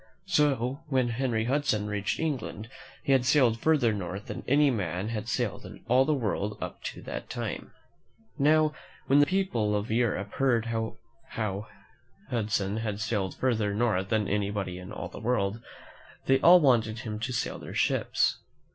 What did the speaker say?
So when Henry Hudson reached England, he had sailed further north than any man had sailed in all the world up to that time. Now, when the people of Europe heard of how Hudson had sailed further north than any body in all the world, they all wanted him to sail their ships.